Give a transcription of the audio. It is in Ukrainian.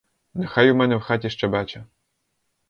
Нехай у мене в хаті щебече.